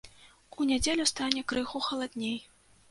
У нядзелю стане крыху халадней.